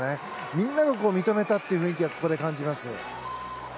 みんなが認めたという雰囲気を感じます。